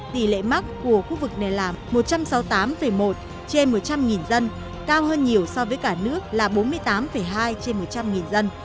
tỷ lệ mắc của khu vực này là một trăm sáu mươi tám một trên một trăm linh dân cao hơn nhiều so với cả nước là bốn mươi tám hai trên một trăm linh dân